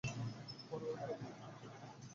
পরোয়া করি না।